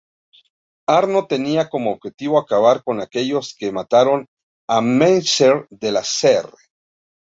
Arno tenía como objetivo acabar con aquellos que mataron a messier De La Serre.